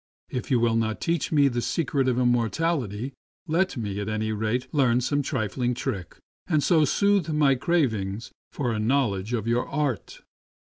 If you will not teach me the secret of Im mortality, let me at any rate learn some trifling trick, and thus soothe my cravings for a knowledge of your art.